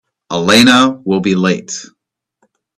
Elena will be late.